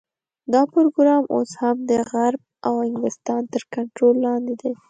دا پروګرام اوس هم د غرب او انګلستان تر کنټرول لاندې دی.